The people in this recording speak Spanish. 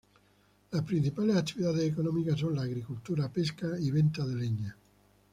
Las principales actividades económicas son la agricultura, pesca y venta de leña.